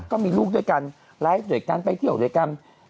ก็มีลูกด้วยกันไลฟ์ด้วยกันไปเที่ยวด้วยกัน